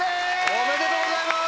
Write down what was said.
おめでとうございます。